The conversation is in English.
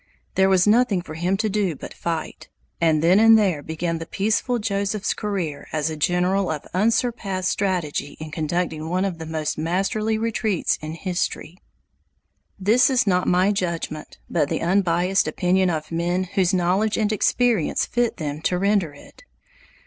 There was nothing for him to do but fight; and then and there began the peaceful Joseph's career as a general of unsurpassed strategy in conducting one of the most masterly retreats in history. This is not my judgment, but the unbiased opinion of men whose knowledge and experience fit them to render it.